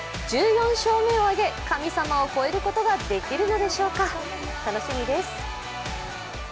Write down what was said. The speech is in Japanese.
１４勝目を挙げ、神様を超えることができるのでしょうか、楽しみです。